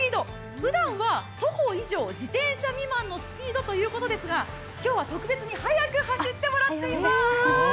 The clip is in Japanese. ふだんは徒歩以上、自転車未満のスピードということですが今日は特別に速く走ってもらっています。